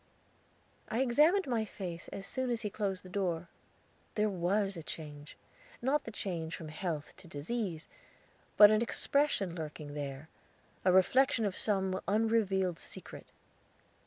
I examined my face as soon as he closed the door. There was a change. Not the change from health to disease, but an expression lurking there a reflection of some unrevealed secret.